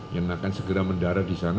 yang akan segera mendarat di sana